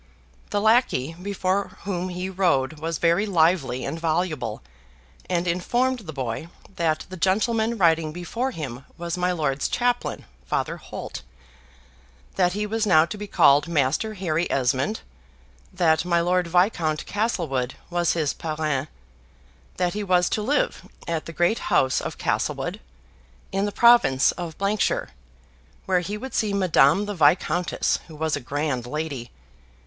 The lackey before whom he rode was very lively and voluble, and informed the boy that the gentleman riding before him was my lord's chaplain, Father Holt that he was now to be called Master Harry Esmond that my Lord Viscount Castlewood was his parrain that he was to live at the great house of Castlewood, in the province of shire, where he would see Madame the Viscountess, who was a grand lady.